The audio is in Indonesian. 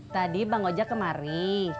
tadi bang ojak kemari